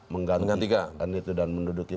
menggantikan itu dan menduduki